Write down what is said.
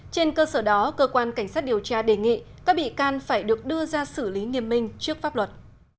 trên cơ sở đó cơ quan cảnh sát điều tra đề nghị các bị can phải được đưa ra xử lý nghiêm minh trước pháp luật